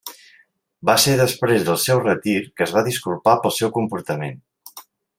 Va ser després del seu retir que es va disculpar pel seu comportament.